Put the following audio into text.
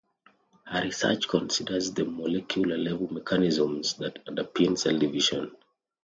Her research considers the molecular level mechanisms that underpin cell division.